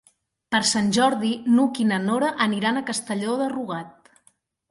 Per Sant Jordi n'Hug i na Nora aniran a Castelló de Rugat.